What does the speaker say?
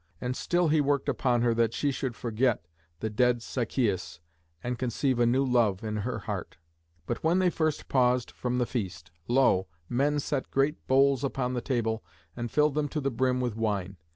And still he worked upon her that she should forget the dead Sichæus and conceive a new love in her heart. [Illustration: DIDO AND THE FALSE ASCANIUS.] But when they first paused from the feast, lo! men set great bowls upon the table and filled them to the brim with wine.